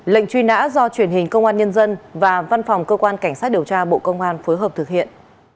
lệnh truy nã do truyền hình công an nhân dân và văn phòng cơ quan cảnh sát điều tra bộ công an phối hợp thực hiện